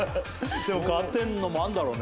「でも変わってるのもあるんだろうね」